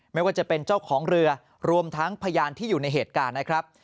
ไม่ว่าจะเป็นเจ้าของเรือรวมทั้งพยานที่อยู่ในเหตุการณ์นะครับ